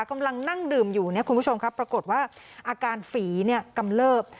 กำลังนั่งดื่มอยู่เนี่ยคุณผู้ชมครับปรากฏว่าอาการฝีเนี่ยกำเลิบ